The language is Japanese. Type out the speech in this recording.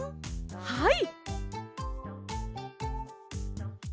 はい！